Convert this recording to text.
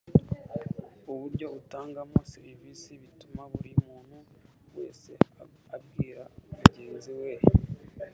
uburyo utangamo serivisi bituma buri muntu wese abwira mugenzi we